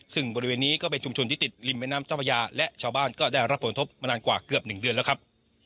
ซึ่งบริเวณนี้ก็เป็นชุมชนที่ติดริมแม่น้ำเจ้าพระยาและชาวบ้านก็ได้รับผลทบมานานกว่าเกือบ๑เดือนแล้วครับ